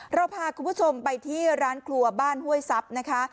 เราพาคุณผู้ชมไปที่ร้านครัวบ้านห้วยทรัพย์นะคะ